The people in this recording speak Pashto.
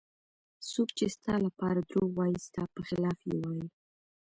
څوک چې ستا لپاره دروغ وایي ستا په خلاف یې وایي.